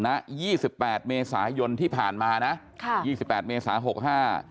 ยี่สิบแปดเมษายนที่ผ่านมานะค่ะยี่สิบแปดเมษาหกห้า